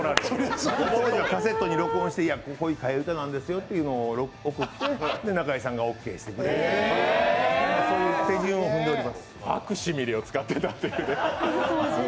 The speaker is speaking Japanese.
カセットに録音して、こういう替え歌なんですよというのを送って中井さんがオーケーしてくれたという手順を踏んでおります。